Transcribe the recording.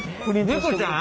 猫ちゃん？